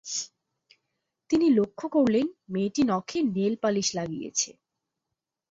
তিনি লক্ষ করলেন, মেয়েটি নখে নেলপালিশ লাগিয়েছে।